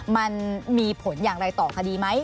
มันมีผลอย่างไรต่อคดีไหม